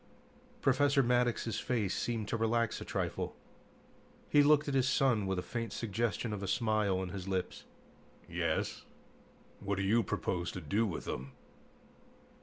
Professor Maddox's face seemed to relax a trifle. He looked at his son with a faint suggestion of a smile on his lips. "Yes? What do you propose to do with them?"